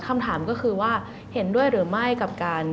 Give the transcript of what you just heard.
คำถามก็คือว่าเห็นด้วยหรือไม่กับการ